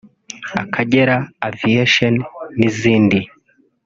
Akagera Aviation n’izindi